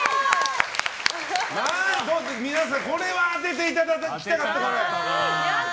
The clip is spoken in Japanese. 皆さんこれは当てていただきたかった。